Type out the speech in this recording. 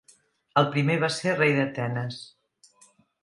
El primer va ser rei d'Atenes.